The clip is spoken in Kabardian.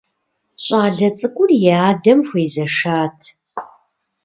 Щӏалэ цӏыкӏур и адэм хуезэшат.